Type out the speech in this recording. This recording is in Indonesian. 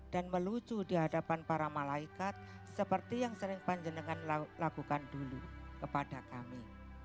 dan melucu di hadapan para malaikat seperti yang sering panjenengan lakukan dulu kepada kami